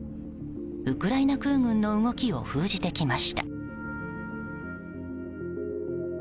ウクライナ空軍の動きを封じてきました。